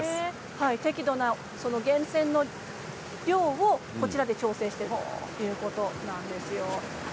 適度な源泉の量をこちらで調整しているということなんです。